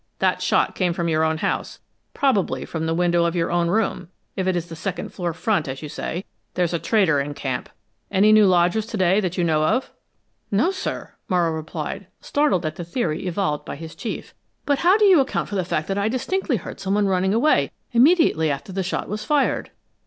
That shot came from your own house, probably from the window of your own room, if it is the second floor front, as you say. There's a traitor in camp. Any new lodgers to day that you know of?" "No, sir," Morrow replied, startled at the theory evolved by his chief. "But how do you account for the fact that I distinctly heard some one running away immediately after the shot was fired?"